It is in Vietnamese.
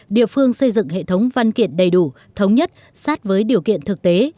địa phương xây dựng hệ thống văn kiện đầy đủ thống nhất sát với điều kiện thực tế